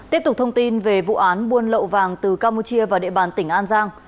tiếp tục thông tin về vụ án buôn lậu vàng từ campuchia vào địa bàn tỉnh an giang